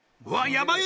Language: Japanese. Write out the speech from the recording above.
やばい